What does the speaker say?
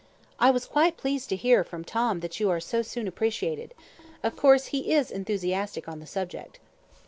I was quite pleased to hear from Tom that you are so soon appreciated. Of course, he is enthusiastic on the subject."